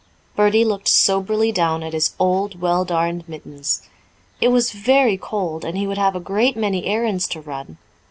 Bertie looked soberly down at his old, well darned mittens. It was very cold, and he would have a great many errands to run.